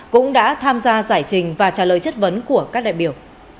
cũng đã tham gia giải trình và trả lời chất vấn của các đại biểu